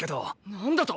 何だと？